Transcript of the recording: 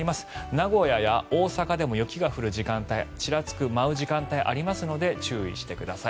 名古屋や大阪でも雪が降る時間帯ちらつく、舞う時間帯があるので注意してください。